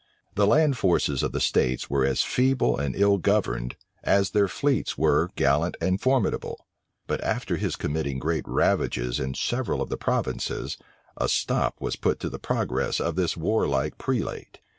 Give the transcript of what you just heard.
The land forces of the states were as feeble and ill governed, as their fleets were gallant and formidable. But after his committing great ravages in several of the provinces, a stop was put to the progress of this warlike prelate.